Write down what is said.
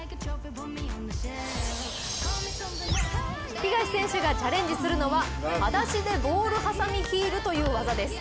東選手がチャレンジするのははだしでボールはさみヒールという技です。